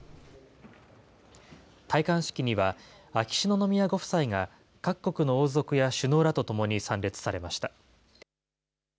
戴冠式には、秋篠宮ご夫妻が各国の王族や首脳らとともに参列されました。